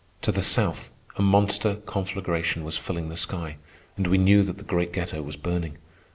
To the south a monster conflagration was filling the sky, and we knew that the great ghetto was burning.